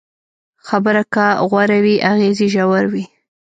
خبره که غوره وي، اغېز یې ژور وي.